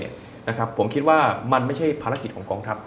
ผมคิดว่ามันไม่ใช่ภารกิจของกองทัพ